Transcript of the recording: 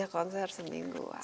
tiga konser seminggu wah